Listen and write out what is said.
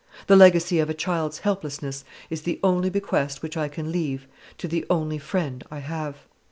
The legacy of a child's helplessness is the only bequest which I can leave to the only friend I have.